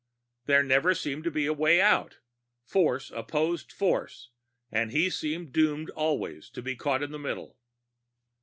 There never seemed to be any way out. Force opposed force and he seemed doomed always to be caught in the middle.